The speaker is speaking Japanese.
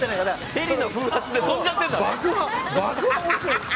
ヘリの風圧で飛んじゃってるんだね。